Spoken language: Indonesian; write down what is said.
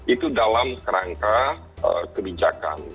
itu dalam kerangka kebijakan